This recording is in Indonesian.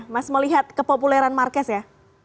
mas melihat kepopuleran marquez ya